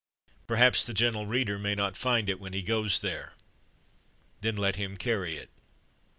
Perhaps the gentle reader may not find it when he goes there. Then let him carry it.